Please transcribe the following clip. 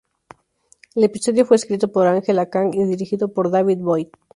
El episodio fue escrito por Angela Kang y dirigido por David Boyd.